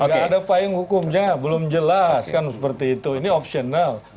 enggak ada apa yang hukumnya belum jelas kan seperti itu ini optional